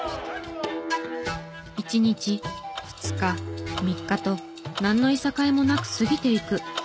１日２日３日となんのいさかいもなく過ぎていく。